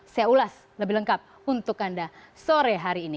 saya ulas lebih lengkap untuk anda sore hari ini